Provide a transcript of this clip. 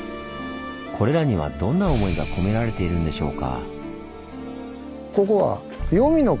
これらにはどんな思いが込められているんでしょうか？